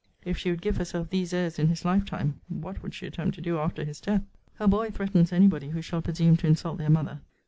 If she would give herself these airs in his life time, what would she attempt to do after his death? Her boy threatens any body who shall presume to insult their mother.